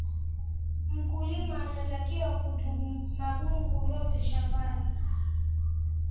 mkulima anatakiwa kuto magugu yote shambani